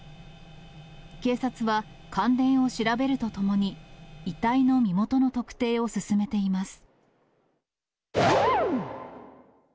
警察は関連を調べるとともに、遺体の身元の特定を進めています。